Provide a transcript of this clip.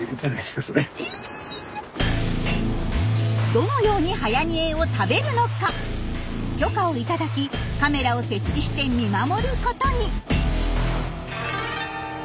どのようにはやにえを食べるのか許可を頂きカメラを設置して見守ることに。